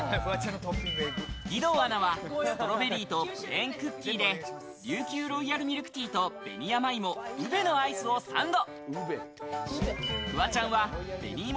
義堂アナはストロベリーとプレーンクッキーで琉球ロイヤルミルクティーと紅山芋ウベのアイスをサンド。